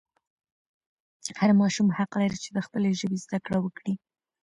هر ماشوم حق لري چې د خپلې ژبې زده کړه وکړي.